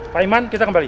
pak ahmad kita kembali